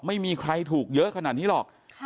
ไม่มีใครถูกเยอะขนาดนี้หรอก